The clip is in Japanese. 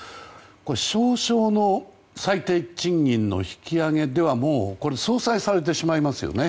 少々の最低賃金の引き上げではもう相殺されてしまいますよね。